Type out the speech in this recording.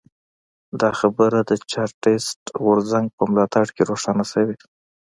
دا خبره د چارټېست غورځنګ په تګلاره کې روښانه شوې.